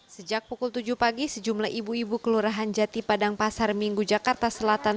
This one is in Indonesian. sejak pukul tujuh pagi sejumlah ibu ibu kelurahan jati padang pasar minggu jakarta selatan